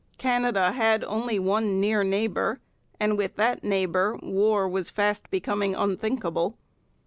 Canada had only one near neighbour; and with that neighbour war was fast becoming unthinkable.